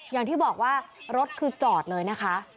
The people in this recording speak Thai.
อย่างที่บอกว่ารถคือจอดเลยนะคะ